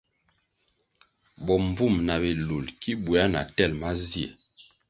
Bombvúm na bilul ki buéah na tel mazie.